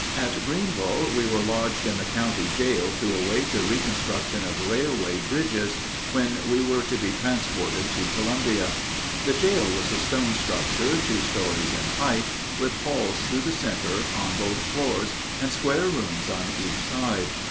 At Greenville we were lodged in the county jail to await the reconstruction of railway bridges, when we were to be transported to Columbia. The jail was a stone structure, two stories in height, with halls through the center on both floors and square rooms on each side.